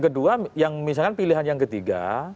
kedua yang misalkan pilihan yang ketiga